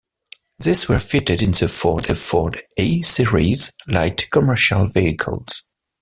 These were fitted in the Ford "A" series light commercial vehicles.